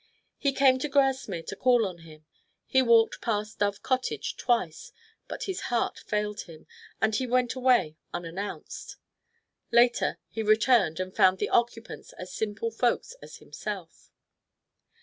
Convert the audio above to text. He came to Grasmere to call on him: he walked past Dove Cottage twice, but his heart failed him and he went away unannounced. Later, he returned and found the occupants as simple folks as himself.